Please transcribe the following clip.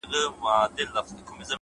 د مقدسي فلسفې د پيلولو په نيت;